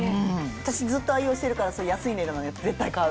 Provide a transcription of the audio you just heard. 私ずっと愛用してるから安い値段のやつ絶対買う。